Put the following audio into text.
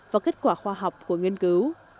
và kết quả khoa học của nghiên cứu